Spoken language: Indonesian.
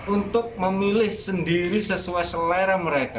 untuk memilih sendiri sesuai selera mereka